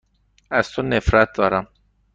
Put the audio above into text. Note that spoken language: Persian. از تو نفرت دارم.